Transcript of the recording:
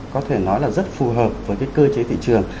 có thể nói là rất phù hợp với cái cơ chế thị trường